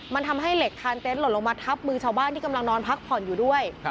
มันทำให้เหล็กคานเต็นหล่นลงมาทับมือชาวบ้านที่กำลังนอนพักผ่อนอยู่ด้วย